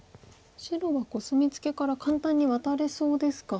白はコスミツケから簡単にワタれそうですか。